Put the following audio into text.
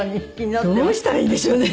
どうしたらいいんでしょうね？